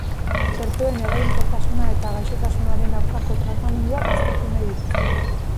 Txertoen eraginkortasuna eta gaixotasunaren aurkako tratamenduak aztertu nahi dituzte.